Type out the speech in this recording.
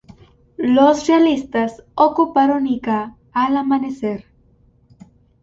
Los realistas ocuparon Ica al amanecer.